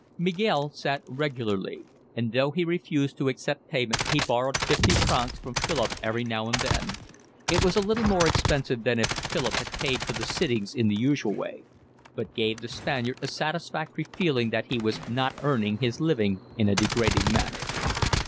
Miguel sat regularly, and though he refused to accept payment he borrowed fifty francs from Philip every now and then: it was a little more expensive than if Philip had paid for the sittings in the usual way; but gave the Spaniard a satisfactory feeling that he was not earning his living in a degrading manner.